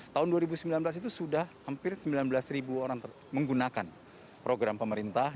tahun dua ribu sembilan belas itu sudah hampir sembilan belas ribu orang menggunakan program pemerintah